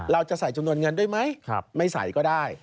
เราจะใส่จำนวนเงินด้วยไหมไม่ใส่ก็ได้